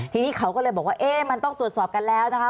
ทีนี้เขาก็เลยบอกว่าเอ๊ะมันต้องตรวจสอบกันแล้วนะคะ